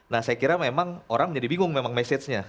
nah saya kira memang orang menjadi bingung memang message nya